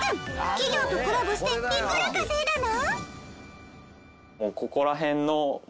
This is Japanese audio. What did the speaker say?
企業とコラボしていくら稼いだの？